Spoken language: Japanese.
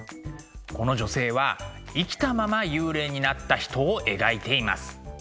この女性は生きたまま幽霊になった人を描いています。